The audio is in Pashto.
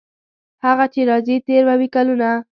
هغه چې راځي تیر به وي کلونه.